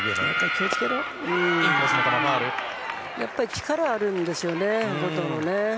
やっぱり力があるんですよね、後藤は。